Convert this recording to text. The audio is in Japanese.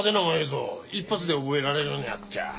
一発で覚えられるようなやっちゃ。